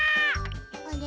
あれ？